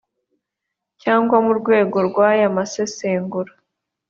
cyangwa mu rwego rw aya masesengura